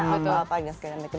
apa apa yang sekalian bikin